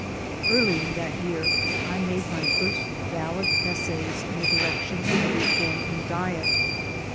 Early in that year I made my first Valid essays in the direction of a reform in diet.